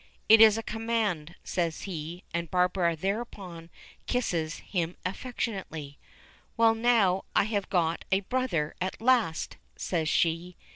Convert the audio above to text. "It is a command," says he, and Barbara thereupon kisses him affectionately. "Well, now I have got a brother at last," says she.